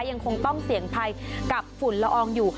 ยังคงต้องเสี่ยงภัยกับฝุ่นละอองอยู่